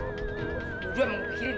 udah mau pikirin